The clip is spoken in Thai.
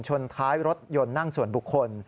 ชนท้ายรถยนต์นั่งส่วนบุคคล